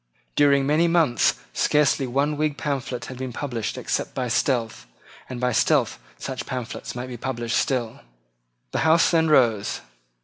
During many months scarcely one Whig pamphlet had been published except by stealth; and by stealth such pamphlets might be published still. The Houses then rose.